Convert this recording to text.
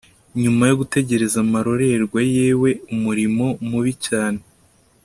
Nyuma yo gutegereza amarorerwa yewe umuriro mubi cyane